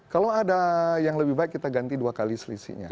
karena yang lebih baik kita ganti dua kali selisihnya